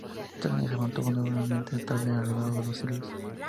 Esta línea se mantuvo notablemente estable a lo largo de los siglos.